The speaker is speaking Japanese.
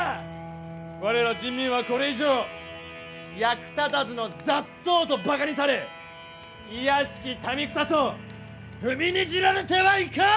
我ら人民はこれ以上役立たずの雑草とバカにされ卑しき民草と踏みにじられてはいかん！